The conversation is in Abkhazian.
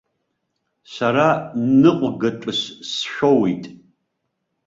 Сара ныҟәгатәыс сшәоуит.